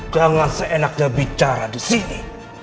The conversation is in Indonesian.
jangan seenaknya bicara disini